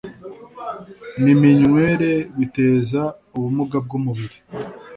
miminywere biteza ubumuga bwumubiri